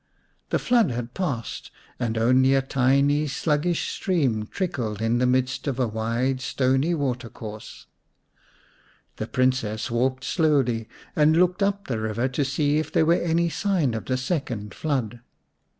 The flood had passed, and only a tiny sluggish stream trickled in the midst of a wide stony water course. The Princess walked slowly and looked up the river to see if there were any signs of the second flood.